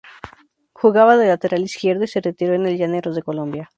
Jugaba de lateral izquierdo y se retiró en el Llaneros de Colombia.